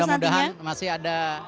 mudah mudahan masih ada